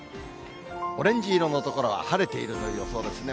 オレンジ色の所は晴れているという予想ですね。